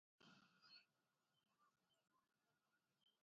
n'ihi na ụfọdụ n'ime ha dị n'ihu arụsị